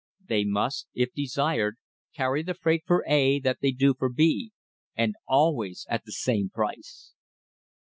They must, if desired, carry the freight for A that they do for B, AND ALWAYS AT THE SAME PRICE.